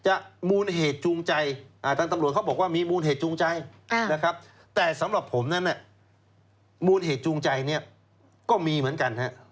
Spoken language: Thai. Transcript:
มูลเหตุจูงใจทางตำรวจเขาบอกว่ามีมูลเหตุจูงใจนะครับแต่สำหรับผมนั้นมูลเหตุจูงใจเนี่ยก็มีเหมือนกันฮะ